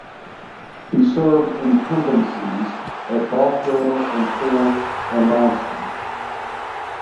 He served incumbencies at Bothwell and Forth and Launceston.